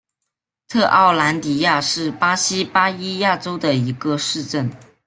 特奥兰迪亚是巴西巴伊亚州的一个市镇。